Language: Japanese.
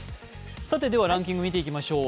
ランキング見ていきましょう。